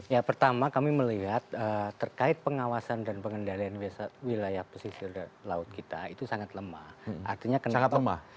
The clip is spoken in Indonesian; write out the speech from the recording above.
ya pertama kami melihat terkait pengawasan dan pengendalian wilayah pesisir laut kita itu sangat lemah artinya kenapa